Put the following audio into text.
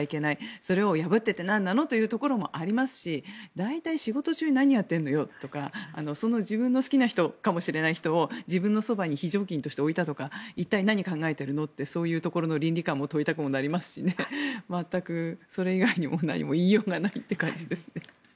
それを破って何なのというところもありますし大体、仕事中に何をやってるのよとか自分の好きかもしれない人を自分のそばに非常勤としておいたとか一体何考えてるのとそういう倫理観を問いたくなりますし全くそれ以外に何も言いようがないという感じです。